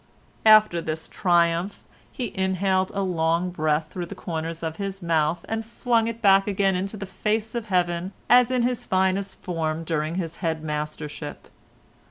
After this triumph he inhaled a long breath through the corners of his mouth, and flung it back again into the face of Heaven, as in his finest form during his head mastership.